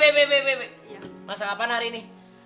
eh bebe masak apaan hari ini